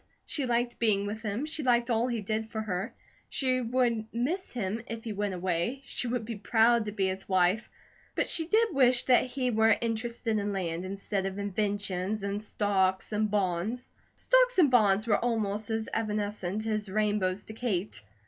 She liked being with him, she liked all he did for her, she would miss him if he went away, she would be proud to be his wife, but she did wish that he were interested in land, instead of inventions and stocks and bonds. Stocks and bonds were almost as evanescent as rainbows to Kate.